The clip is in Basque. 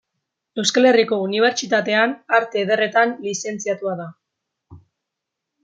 Euskal Herriko Unibertsitatean Arte Ederretan lizentziatua da.